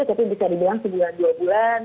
tapi bisa dibilang sebulan dua bulan